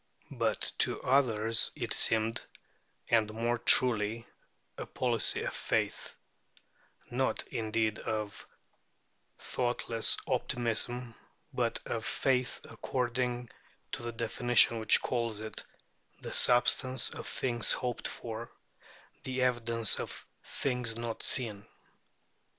But to others it seemed, and more truly, a policy of faith; not, indeed, of thoughtless optimism, but of faith according to the definition which calls it "the substance of things hoped for, the evidence of things not seen."